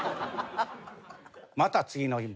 また次の日も。